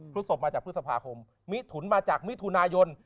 พฤศพมาจากพฤษภาคมมิถุนมาจากมิถุนายน